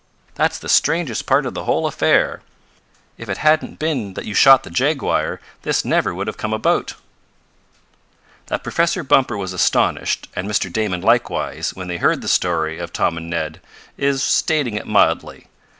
"That's the strangest part of the whole affair. If it hadn't been that you shot the jaguar this never would have come about." That Professor Bumper was astonished, and Mr. Damon likewise, when they heard the story of Tom and Ned, is stating it mildly.